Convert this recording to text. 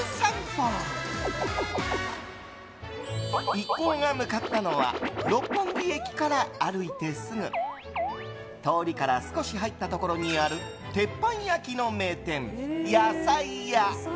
一行が向かったのは六本木駅から歩いてすぐ通りから少し入ったところにある鉄板焼きの名店やさいや。